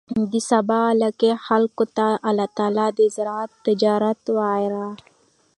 د سبا علاقې خلکو ته الله تعالی د زراعت، تجارت وغيره